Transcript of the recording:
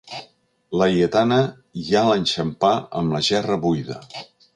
Laietana ja l'enxampà amb la gerra buida.